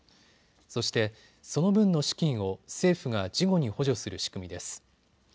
そして、その分の資金を政府が事後に補助する仕組みです。